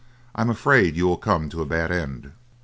I am afraid you will come to a bad end."